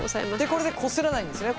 これでこすらないんですね